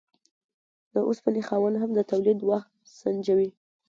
د اوسپنې خاوند هم د تولید وخت سنجوي.